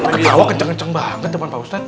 ketawa kenceng kenceng banget teman pak ustadz